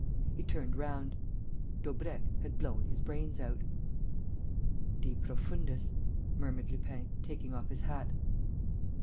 He turned round. Daubrecq had blown his brains out. "De profundis!" murmured Lupin, taking off his hat.